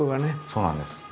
そうなんです。